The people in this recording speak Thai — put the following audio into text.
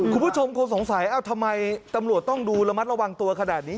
คุณผู้ชมคงสงสัยทำไมตำรวจต้องดูระมัดระวังตัวขนาดนี้